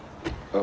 あ。